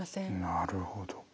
なるほど。